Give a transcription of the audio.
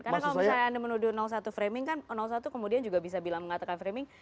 karena kalau misalnya anda menuduh satu framing kan satu kemudian juga bisa bilang mengatakan framing